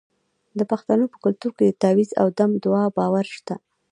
د پښتنو په کلتور کې د تعویذ او دم دعا باور شته.